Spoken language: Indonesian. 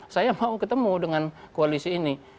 saya mau ketemu dengan koalisi ini